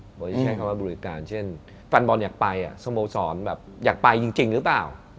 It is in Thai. ผมจะใช้คำว่าบริการเช่นแฟนบอลอยากไปสโมสรแบบอยากไปจริงหรือเปล่า